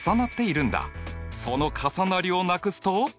その重なりをなくすと？